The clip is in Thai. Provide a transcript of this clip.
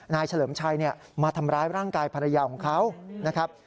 เฉลิมชัยมาทำร้ายร่างกายภรรยาของเขานะครับ